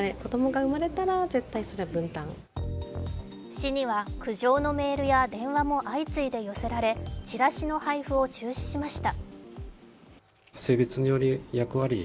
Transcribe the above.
市には苦情のメールや電話も相次いで寄せられチラシの配布を中止しました。